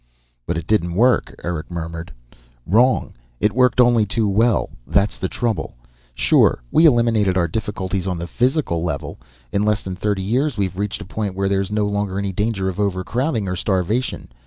"But it didn't work," Eric murmured. "Wrong. It worked only too well. That's the trouble. Sure, we eliminated our difficulties on the physical level. In less than thirty years we've reached a point where there's no longer any danger of overcrowding or starvation.